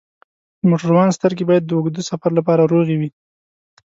د موټروان سترګې باید د اوږده سفر لپاره روغې وي.